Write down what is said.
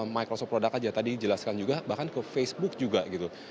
microsof product aja tadi dijelaskan juga bahkan ke facebook juga gitu